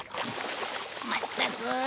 まったく。